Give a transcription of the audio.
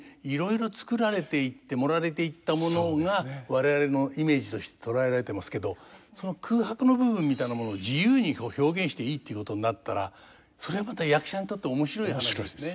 我々のイメージとして捉えられてますけどその空白の部分みたいなものを自由に表現していいっていうことになったらそれはまた役者にとって面白い話ですね。